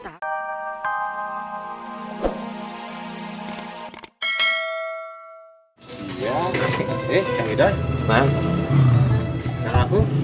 eh yang udah